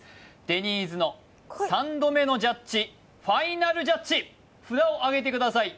デニーズの３度目のジャッジファイナルジャッジ札をあげてください